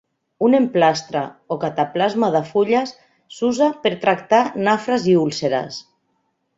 Un emplastre o cataplasma de fulles s'usa per tractar nafres i úlceres.